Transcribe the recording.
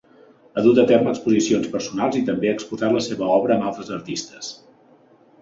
Ha dut ha terme exposicions personals i també ha exposat la seva obra amb altres artistes.